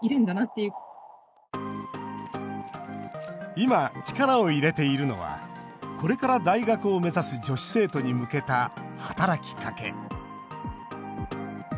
今、力を入れているのはこれから大学を目指す女子生徒に向けた働きかけ。